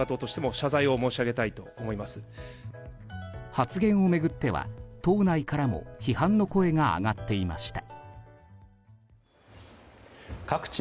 発言を巡っては党内からも批判の声が上がっていました。